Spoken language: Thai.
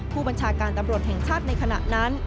ผู้บัญชาการตำรวจแห่งชาติในขณะนั้น